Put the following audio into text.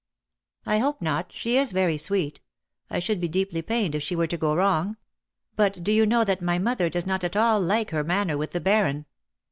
" I hope not. She is very sweet. I should be deeply pained if she were to go wrong. But do you know that my mother does not at all like her manner with the Baron.